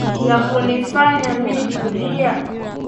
ya kunifanya mi kulia